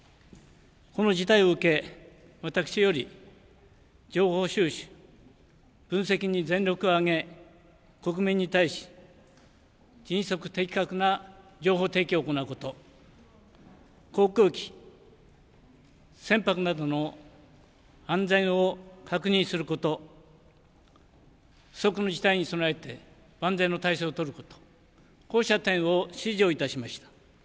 この事態を受け、私より情報収集・分析に全力を挙げ国民に対し、迅速・的確な情報提供を行うこと、航空機、船舶などの安全を確認すること、不測の事態に備えて万全の態勢を取ること、こうした点を指示をいたしました。